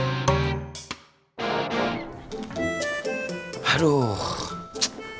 aduh gara gara masih banyak urusan di kampus tadi baru jam segini